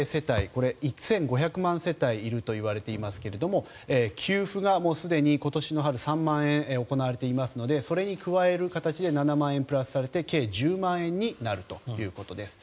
これ、１５００万世帯いるといわれていますが給付がもうすでに今年の春３万円行われていますのでそれに加える形で７万円プラスされて計１０万円になるということです。